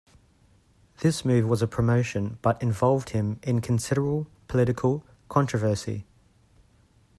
This move was a promotion but involved him in considerable political controversy.